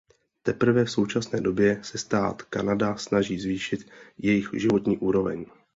Teprve v současné době se stát Kanada snaží zvýšit jejich životní úroveň.